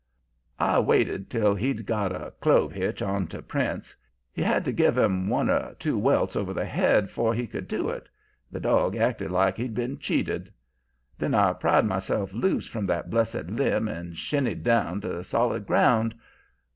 "I waited till he'd got a clove hitch onto Prince. He had to give him one or two welts over the head 'fore he could do it; the dog acted like he'd been cheated. Then I pried myself loose from that blessed limb and shinned down to solid ground.